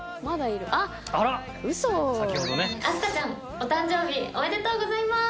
飛鳥ちゃんお誕生日おめでとうございます！